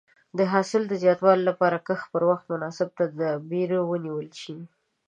د حاصل د زیاتوالي لپاره د کښت پر وخت مناسب تدابیر ونیول شي.